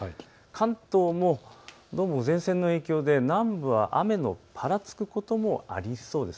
関東も前線の影響で南部は雨のぱらつくこともありそうです。